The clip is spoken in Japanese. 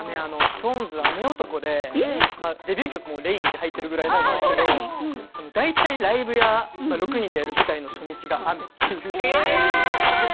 ＳｉｘＴＯＮＥＳは雨男でデビュー曲にもレインと入ってるぐらいなんですけどだいたいライブや６人でやる舞台の初日が雨という。